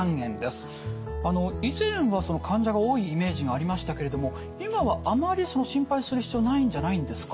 以前は患者が多いイメージがありましたけれども今はあまり心配する必要ないんじゃないんですか？